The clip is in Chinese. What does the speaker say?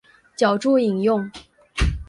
脚注引用